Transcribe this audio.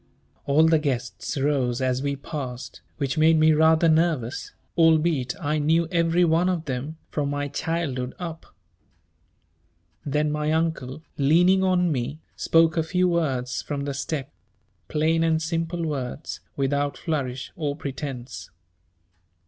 All the guests rose as we passed, which made me rather nervous, albeit I knew every one of them from my childhood up. Then my Uncle, leaning on me, spoke a few words from the step, plain and simple words without flourish or pretence.